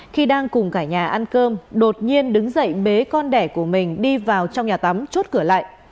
khi đang cùng cả nhà ăn cơm đột nhiên đứng dậy bế con đẻ của mình đi vào trong nhà tắm chốt cửa lại